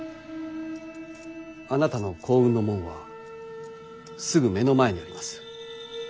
あなたの幸運の門はすぐ目の前にあります。